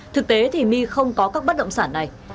thực tế thì my không có các bất động sản này